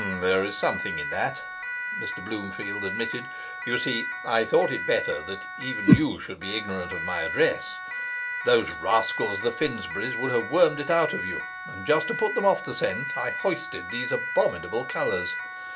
'There is something in that,' Mr Bloomfield admitted. 'You see I thought it better that even you should be ignorant of my address; those rascals, the Finsburys, would have wormed it out of you. And just to put them off the scent I hoisted these abominable colours.